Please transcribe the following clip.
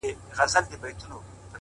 وخت د هرې پرېکړې شاهد وي.!